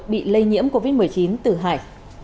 bị lây nhiễm covid một mươi chín từ hải